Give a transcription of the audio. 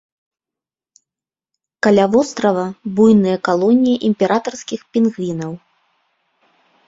Каля вострава буйныя калоніі імператарскіх пінгвінаў.